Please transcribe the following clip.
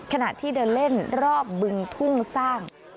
ขณะที่เดินเล่นรอบบึงทุ่งสร้าง